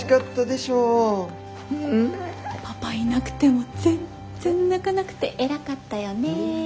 パパいなくても全然泣かなくて偉かったよね。